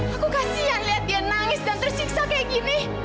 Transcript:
aku kasihan lihat dia nangis dan tersiksa kayak gini